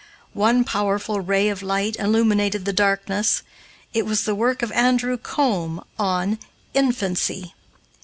One powerful ray of light illuminated the darkness; it was the work of Andrew Combe on "Infancy."